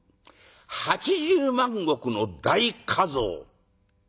８０万石の大加増。